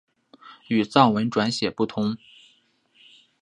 与藏文转写不同。